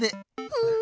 ふん。